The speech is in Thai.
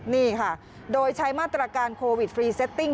นี่ค่ะโดยใช้มาตรการโควิดฟรีเซตติ้ง